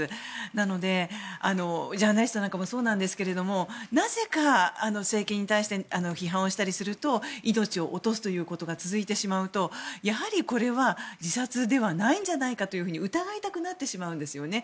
なので、ジャーナリストなんかもそうなんですがなぜか、政権に対して批判をしたりすると命を落とすことが続いてしまうとやはりこれは自殺ではないんじゃないかと疑いたくなってしまうんですね。